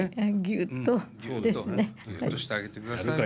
ギュッとしてあげてください。